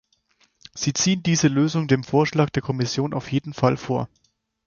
Sie ziehen diese Lösung dem Vorschlag der Kommission auf jeden Fall vor.